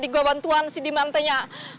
gue bantuan si dimantanya